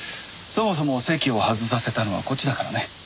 そもそも席を外させたのはこっちだからね。